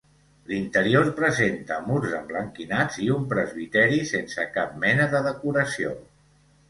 L'interior presenta murs emblanquinats, i un presbiteri sense cap mena de decoració.